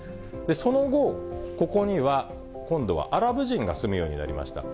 その後、ここには、今度はアラブ人が住むようになりました。